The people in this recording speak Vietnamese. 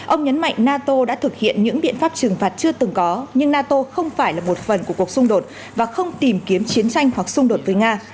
ông nhấn mạnh nato đã thực hiện những biện pháp trừng phạt chưa từng có nhưng nato không phải là một phần của cuộc xung đột và không tìm kiếm chiến tranh hoặc xung đột với nga